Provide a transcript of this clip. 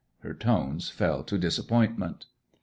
Her tones fell to disappointment.